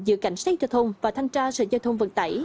giữa cảnh sát giao thông và thanh tra sở giao thông vận tải